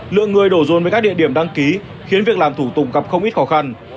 lượng người đổ rồn về các địa điểm đăng ký khiến việc làm thủ tục gặp không ít khó khăn